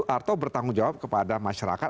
atau bertanggung jawab kepada masyarakat